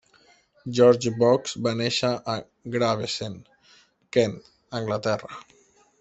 George Box va néixer a Gravesend, Kent, Anglaterra.